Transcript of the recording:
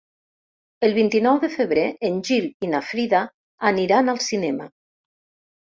El vint-i-nou de febrer en Gil i na Frida aniran al cinema.